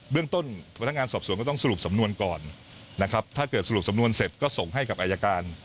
เรื่องต้นพนักงานสอบสวนก็ต้องสรุปสำนวนก่อนนะครับถ้าเกิดสรุปสำนวนเสร็จก็ส่งให้กับอายการ